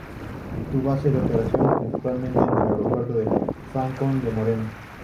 Su base de operaciones principal es el Aeropuerto de Fráncfort del Meno.